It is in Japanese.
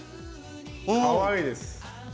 かわいいです！